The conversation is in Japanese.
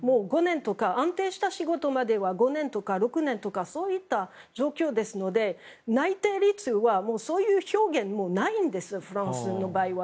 安定した仕事までは５年とか６年とかそういった状況ですので内定率はそういう表現、もうないんですフランスの場合は。